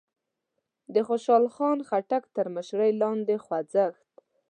د خوشال خان خټک تر مشرۍ لاندې خوځښت